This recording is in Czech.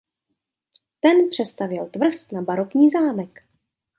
Ten přestavěl tvrz na barokní zámek.